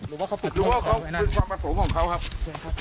หรือว่าเขาปิดหรือว่าเขาคือความประสงค์ของเขาครับเชิญครับ